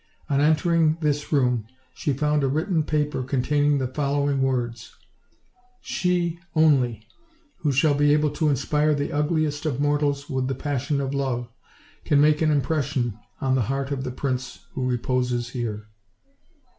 On entering this room she found a written paper containing the following words: "She, only, who shall be able to inspire the ugliest of mortals with the passion of love, can make an impression on the heart of the prince who reposes here."